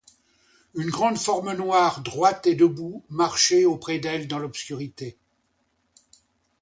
Une grande forme noire, droite et debout, marchait auprès d'elle dans l'obscurité.